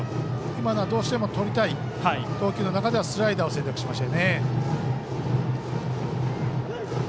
今のは、どうしてもとりたい投球の中でスライダーを選択していましたね。